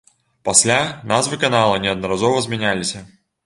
Пасля назвы канала неаднаразова змяняліся.